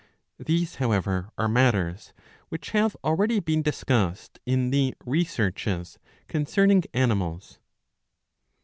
^ These however are matters which have already been discussed in the Researches concerning Animals.